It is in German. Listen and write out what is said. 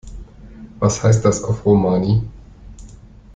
Was heißt das auf Romani?